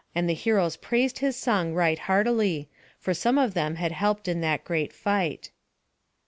And the heroes praised his song right heartily; for some of them had helped in that great fight.